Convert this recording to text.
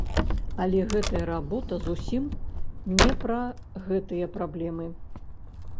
Але гэтая работа зусім не пра гэтыя праблемы!